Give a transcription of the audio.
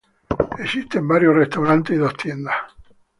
Existen varios restaurantes y dos tiendas.